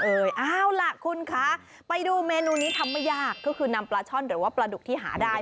เอาล่ะคุณคะไปดูเมนูนี้ทำไม่ยากก็คือนำปลาช่อนหรือว่าปลาดุกที่หาได้